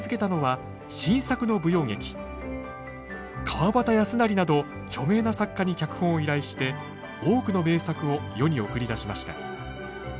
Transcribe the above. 川端康成など著名な作家に脚本を依頼して多くの名作を世に送り出しました。